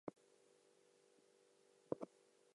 She had six grandchildren.